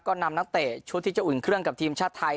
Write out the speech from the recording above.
ก็นำนักเตะชุดที่จะอุ่นเครื่องกับทีมชาติไทย